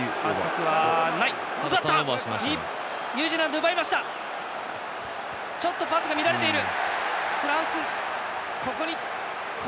ニュージーランド、奪ったがちょっとパスが乱れた。